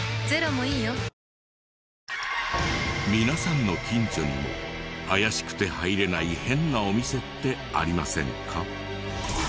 皆さんの近所にも怪しくて入れない変なお店ってありませんか？